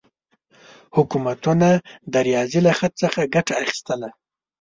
حکومتونه د ریاضي له خط څخه ګټه اخیستله.